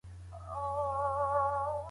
که چای وڅښو، د غذا جذب کې اغېز ورته دی.